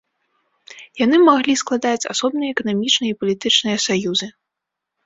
Яны маглі складаць асобныя эканамічныя і палітычныя саюзы.